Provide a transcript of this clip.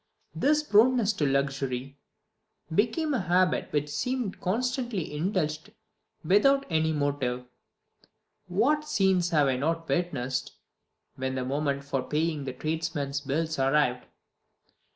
This proneness to luxury became a habit which seemed constantly indulged without any motive. What scenes have I not witnessed when the moment for paying the tradesmen's bills arrived!